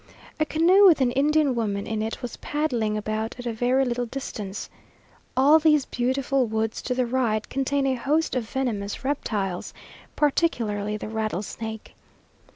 A canoe with an Indian woman in it, was paddling about at a very little distance. All these beautiful woods to the right contain a host of venomous reptiles, particularly the rattlesnake.